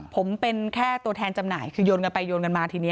ผมเป็นแค่ตัวแทนจำหน่ายคือโยนกันไปโยนกันมาทีนี้